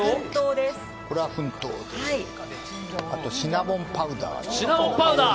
あとシナモンパウダーを。